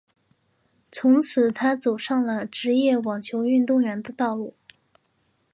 从此她走上了职业网球运动员的道路。